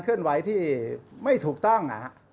เคลื่อนไหวที่ไม่ถูกต้อง